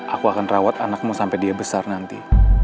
aku akan rawat anakmu sampai dia besar nanti